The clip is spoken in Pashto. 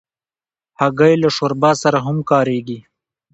هګۍ له شوربا سره هم کارېږي.